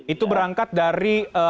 itu berangkat dari apa